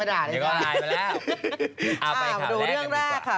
เอาไปข้าวแรกกันดีกว่า